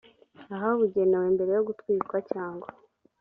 ahabugenewe mbere yo gutwikwa cyangwa